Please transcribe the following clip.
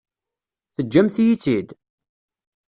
Teǧǧamt-iyi-tt-id?